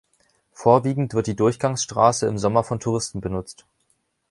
Vorwiegend wird die Durchgangsstraße im Sommer von Touristen benutzt.